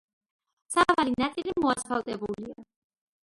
სავალი ნაწილი მოასფალტებულია.